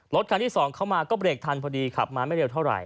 รถคันที่สองเข้ามาก็เบรกทันพอดีขับมาไม่เร็วเท่าไหร